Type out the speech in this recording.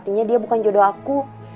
artinya dia bukan jodoh aku